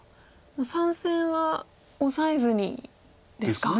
もう３線はオサえずにですか。